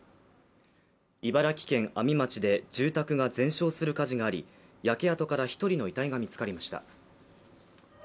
茨城県阿見町で住宅が全焼する火事があり焼け跡から１人の遺体が見つかりました。